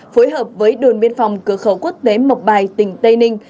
phối hợp với đồn biên phòng cửa khẩu quốc tế mộc bài tỉnh tây ninh